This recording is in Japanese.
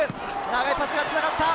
長いパスがつながった！